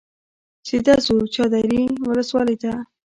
سیده ځو چاردرې ولسوالۍ ته.